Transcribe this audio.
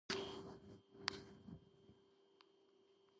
ხშირ შემთხვევაში, ისინი საზოგადოების ყველაზე დაუცველ ფენას წარმოადგენენ.